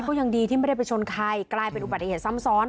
ก็ยังดีที่ไม่ได้ไปชนใครกลายเป็นอุบัติเหตุซ้ำซ้อน